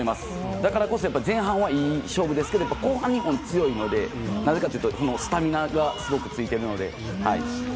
だからこそ前半はいい勝負ですけど後半は強いのでなぜかというとスタミナがすごくついているので。